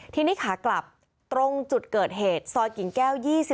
ทีนี้ขากลับตรงจุดเกิดเหตุซอยกิ่งแก้ว๒๔